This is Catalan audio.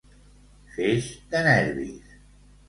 Feix de nervis.